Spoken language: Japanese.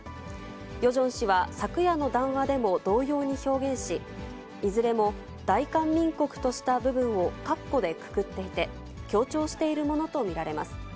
ヨジョン氏は昨夜の談話でも同様に表現し、いずれも大韓民国とした部分をかっこでくくっていて、強調しているものと見られます。